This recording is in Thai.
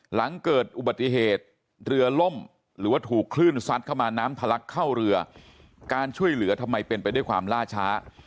หลังเกิดอุบัติเหตุเรือล่มหรือว่าถูกคลื่นซัดเข้ามาน้ำทะลักเข้าเรือการช่วยเหลือทำไมเป็นไปด้วยความล่าช้า